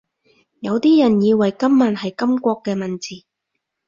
有啲人以為金文係金國嘅文字